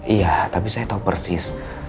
iya tapi saya tahu persis